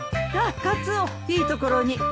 あっカツオいいところに。